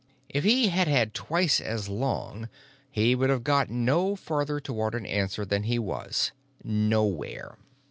If he had had twice as long he would have got no farther toward an answer than he was: nowhere.